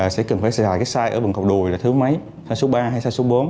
sẽ cần phải xài cái size ở bằng cầu đùi là thứ mấy size số ba hay size số bốn